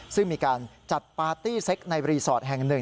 ซึ่งมีการจัดปาร์ตี้เซ็กในรีสอร์ทแห่ง๑